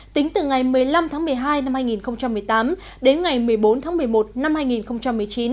tính từ ngày một mươi năm tháng một mươi hai năm hai nghìn một mươi tám đến ngày một mươi bốn tháng một mươi một năm hai nghìn một mươi chín